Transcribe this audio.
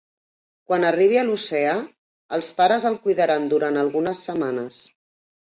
Quan arribi a l'oceà, els pares el cuidaran durant algunes setmanes.